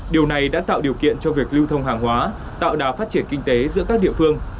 điều này đã tạo điều kiện cho việc lưu thông hàng hóa tạo đà phát triển kinh tế giữa các địa phương